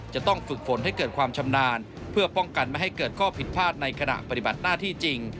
จะต้องฝึกฝนให้เกิดความชำนาญเพื่อป้องกันไม่ให้เกิดข้อผิดพลาดในขณะปฏิบัติหน้าที่จริง